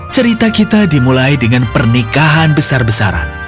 cerita kita dimulai dengan pernikahan besar besaran